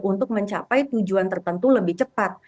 untuk mencapai tujuan tertentu lebih cepat